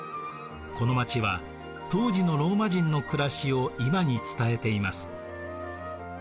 この町は当時のローマ人の暮らしを今に伝えています。